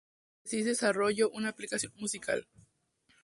Como tesis desarrolló una aplicación musical.